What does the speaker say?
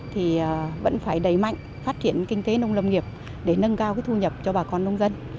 thì vẫn phải đẩy mạnh phát triển kinh tế nông lâm nghiệp để nâng cao thu nhập cho bà con nông dân